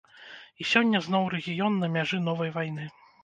І сёння зноў рэгіён на мяжы новай вайны.